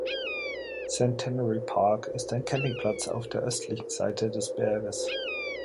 Centenary Park ist ein Campingplatz auf der östlichen Seite des Berges.